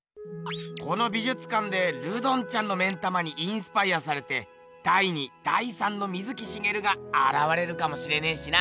この美術館でルドンちゃんの目ん玉にインスパイアされて第２第３の水木しげるがあらわれるかもしれねえしな。